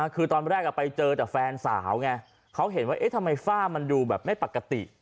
คือตอนแรกไปเจอแต่แฟนสาวไงเขาเห็นว่าเอ๊ะทำไมฝ้ามันดูแบบไม่ปกติ